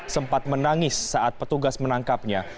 sempat menangis saat petugas menangkapnya